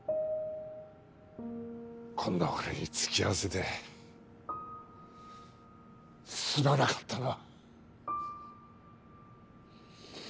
こんな俺に付き合わせてすまなかったな。